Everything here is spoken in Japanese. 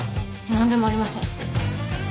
何でもありません。